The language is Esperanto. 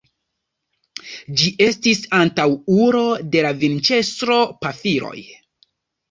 Ĝi estis antaŭulo de la vinĉestro-pafiloj.